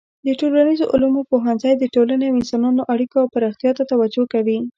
د ټولنیزو علومو پوهنځی د ټولنې او انسانانو اړیکو او پراختیا ته توجه کوي.